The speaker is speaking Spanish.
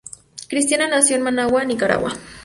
Cristiana nació en Managua, Nicaragua.